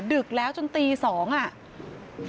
ดึกแล้วจนตี๒นาที